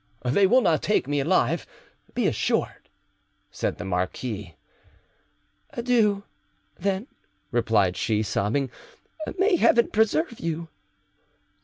"They will not take me alive, be assured," said the marquis. "Adieu, then," replied she, sobbing; "may Heaven preserve you!"